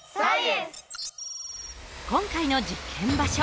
今回の実験場所